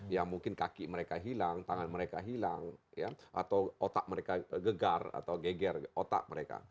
yang mungkin kaki mereka hilang tangan mereka hilang atau otak mereka gegar atau geger otak mereka